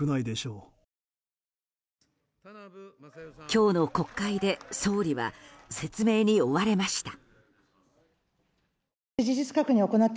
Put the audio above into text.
今日の国会で総理は説明に追われました。